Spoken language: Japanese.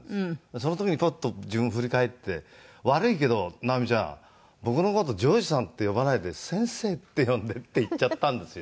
その時にパッと自分も振り返って「悪いけど直美ちゃん僕の事譲二さんって呼ばないで先生って呼んで」って言っちゃったんですよ。